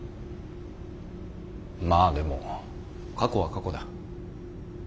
まあでも過去は過去だ。